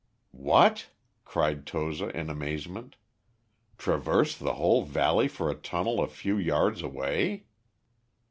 "What!" cried Toza in amazement, "traverse the whole valley for a tunnel a few yards away?"